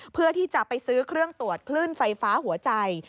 เพื่อที่จะไปซื้อเครื่องตรวจคลื่นไฟฟ้าหัวใจ